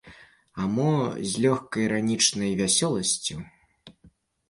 А мо з лёгка-іранічнай весялосцю.